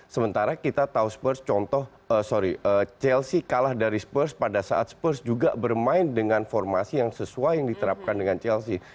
sementara kita tahu spurs contoh sorry chelsea kalah dari spurs pada saat spurs juga bermain dengan formasi yang sesuai yang diterapkan dengan chelsea